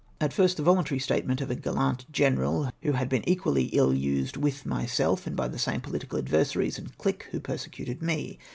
And first the voluntary statement of a gallant General, who had been equally ill used with myself, and by the same pohtical adversaries and chque who persecuted me.